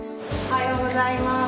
おはようございます。